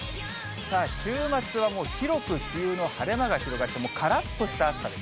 週末はもう広く梅雨の晴れ間が広がって、からっとした暑さ。